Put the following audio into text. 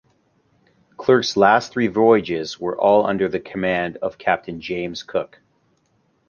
Clerke's last three voyages were all under the command of Captain James Cook.